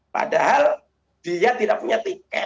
padahal dia tidak punya tiket